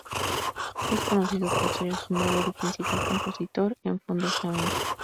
Es conocido por ser el fundador y principal compositor en Fondo Flamenco.